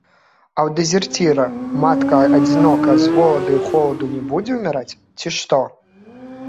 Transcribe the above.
А ў дэзерціра матка адзінокая з голаду і холаду не будзе ўміраць, ці што?